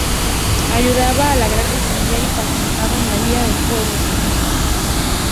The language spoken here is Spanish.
Ayudaba a la granja familiar y participaba en la vida del pueblo.